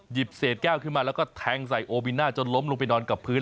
เศษแก้วขึ้นมาแล้วก็แทงใส่โอบิน่าจนล้มลงไปนอนกับพื้น